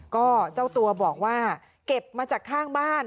ก็เจ้าตัวบอกว่าเก็บมาจากข้างบ้าน